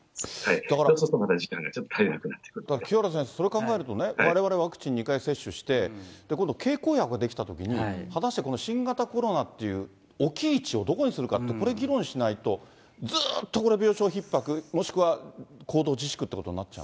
そうするとまた時間が足りなくな清原先生、それ考えるとね、われわれワクチン２回接種して、今度、経口薬が出来たときに果たしてこの新型コロナという置き位置をどこにするか、これ、議論しないと、ずっとこれ、病床ひっ迫、もしくは行動自粛ということになっちゃう。